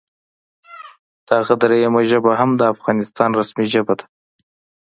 دغه دریمه ژبه هم د افغانستان رسمي ژبه ده